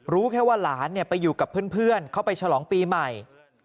รู้แค่ว่าหลานไปอยู่กับเพื่อนเข้าไปฉลองปีใหม่